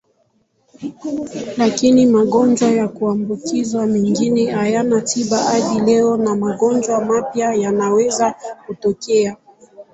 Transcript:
Lakini magonjwa ya kuambukizwa mengine hayana tiba hadi leo na magonjwa mapya yanaweza kutokea.